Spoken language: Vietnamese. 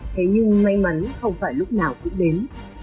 thế nhưng may mắn không phải lúc nào cũng đến